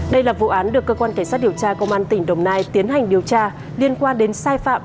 đây là vụ án được cơ quan cảnh sát điều tra công an tp hcm tiến hành điều tra liên quan đến sai phạm